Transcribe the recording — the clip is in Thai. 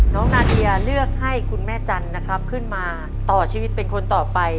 นาเดียเลือกให้คุณแม่จันทร์นะครับขึ้นมาต่อชีวิตเป็นคนต่อไป